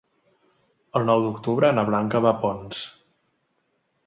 El nou d'octubre na Blanca va a Ponts.